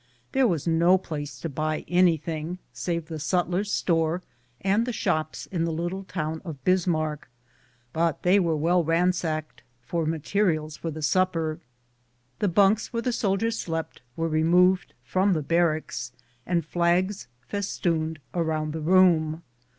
There was no place to buy anything, save the sutler's store and the shops in the little town of Bis marck, but they were well ransacked for materials for the supper. The bunks where the soldiers slept were removed from the barracks, and flags festooned around the room.